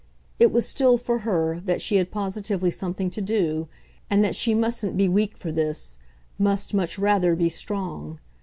It was still, for her, that she had positively something to do, and that she mustn't be weak for this, must much rather be strong.